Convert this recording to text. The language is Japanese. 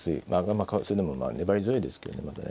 まあそれでも粘り強いですけれどもね。